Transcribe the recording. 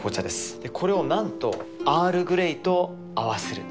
これをなんとアールグレイと合わせる。